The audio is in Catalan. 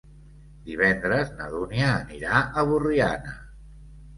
Divendres na Dúnia anirà a Borriana.